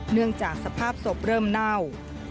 เนื่องจากสภาพศพเริ่มเน่า